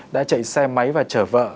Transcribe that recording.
đã chạy xe máy và chở vợ